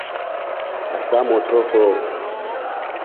Asa motro wo.